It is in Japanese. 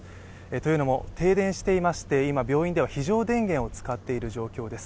というのも停電していまして今、病院では非常電源を使っている状況です。